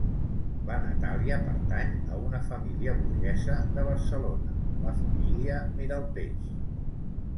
La Natàlia pertany a una família burgesa de Barcelona, la família Miralpeix.